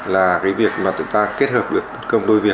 là cái việc mà chúng ta kết hợp được công đôi việc